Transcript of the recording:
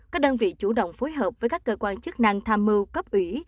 các đơn vị chủ động phối hợp với các cơ quan chức năng tham mưu cấp ủy